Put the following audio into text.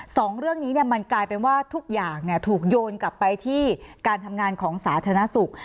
สองเรื่องนี้มันกลายเป็นว่าทุกอย่างถูกโยนกลับไปที่การทำงานของสาธารณสุข